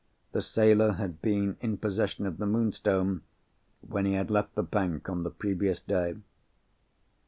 The sailor had been in possession of the Moonstone, when he had left the bank on the previous day.